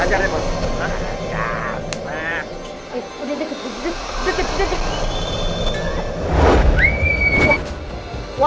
jangan main main sama aku ya